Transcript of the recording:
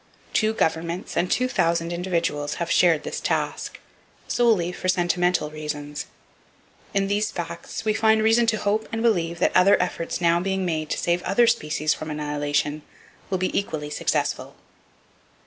Two governments and two thousand individuals have shared this task,—solely for sentimental reasons. In these facts we find reason to hope and believe that other efforts now being made to save other species from annihilation will be equally successful.